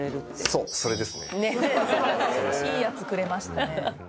いいやつくれましたね。